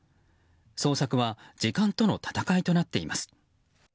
捜索は時間との闘いとなっています。